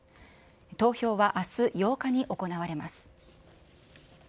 投票はあす８日に行われます。